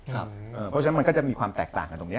เพราะฉะนั้นมันก็จะมีความแตกต่างกันตรงนี้